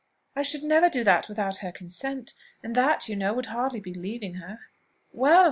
"I should never do that without her consent; and that, you know, would hardly be leaving her." "Well!